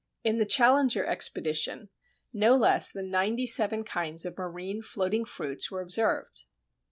In the Challenger expedition, no less than ninety seven kinds of marine floating fruits were observed.